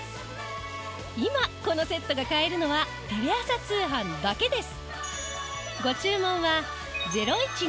今このセットが買えるのはテレ朝通販だけです。